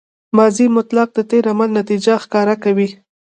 ماضي مطلق د تېر عمل نتیجه ښکاره کوي.